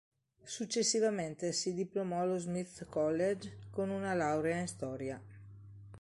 Successivamente si diplomò allo Smith College con una laurea in Storia.